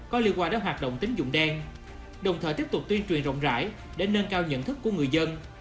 có liên quan đến hoạt động tính dụng đen đồng thời tiếp tục tuyên truyền rộng rãi để nâng cao nhận thức của người dân